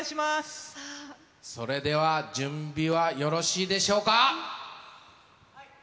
それでは準備はよろしいでしょうか？